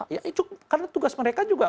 ya itu karena tugas mereka juga